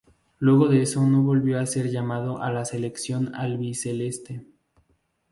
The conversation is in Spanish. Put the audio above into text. Luego de eso no volvió a ser llamado a la selección albiceleste.